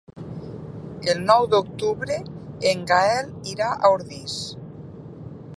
El nou d'octubre en Gaël irà a Ordis.